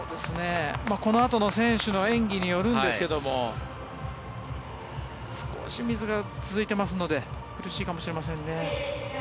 このあとの選手の演技によるんですけども少しミスが続いていますので苦しい展開かもしれませんね。